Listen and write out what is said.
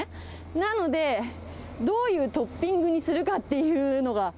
なので、どういうトッピングにするかっていうのが。